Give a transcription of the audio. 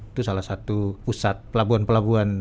itu salah satu pusat pelabuhan pelabuhan